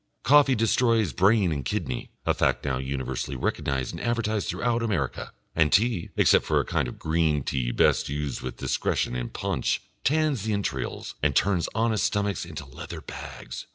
Coffee destroys brain and kidney, a fact now universally recognised and advertised throughout America; and tea, except for a kind of green tea best used with discretion in punch, tans the entrails and turns honest stomachs into leather bags.